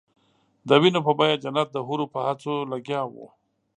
د وینو په بیه جنت د حورو په هڅو لګیا وو.